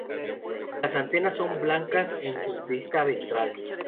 Las antenas son blancas en su vista ventral.